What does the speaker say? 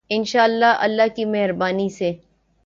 انشاء اللہ، اللہ کی مہربانی سے۔